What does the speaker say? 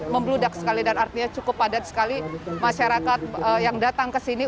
membludak sekali dan artinya cukup padat sekali masyarakat yang datang ke sini